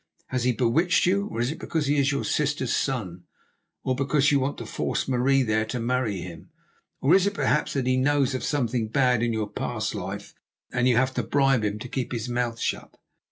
Has he bewitched you? Or is it because he is your sister's son, or because you want to force Marie there to marry him? Or is it, perhaps, that he knows of something bad in your past life, and you have to bribe him to keep his mouth shut?"